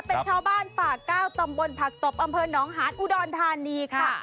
เป็นชาวบ้านป่าเก้าตำบลผักตบอำเภอหนองหานอุดรธานีค่ะ